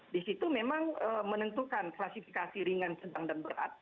di situ memang menentukan klasifikasi ringan sedang dan berat